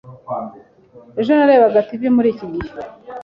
Ejo narebaga TV muri iki gihe.